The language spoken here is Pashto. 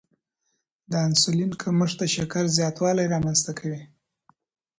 د انسولین کمښت د شکر زیاتوالی رامنځته کوي.